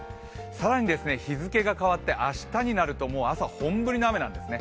更に日付が変わって明日になるともう朝、本降りの雨なんですね。